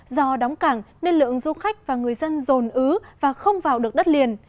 do đóng cảng nên lượng du khách và người dân dồn ứ và không vào được đất liền